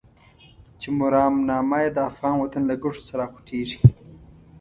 چې مرامنامه يې د افغان وطن له ګټو څخه راوخوټېږي.